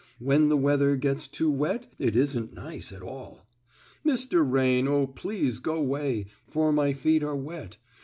When the weather gets too wet, It isn't nice at all. "Mr. Rain, oh, please go 'way! For my feet are wet.